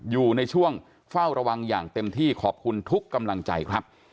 อยู่ในช่วงเฝ้าระวังอย่างเต็มที่ขอบคุณทุกกำลังใจครับ